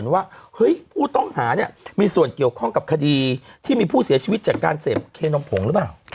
ว่าเฮ้ยผู้ต้องหาเนี่ยมีส่วนเกี่ยวข้องกับคดีที่มีผู้เสียชีวิตจากการเสพเคนมผงหรือเปล่า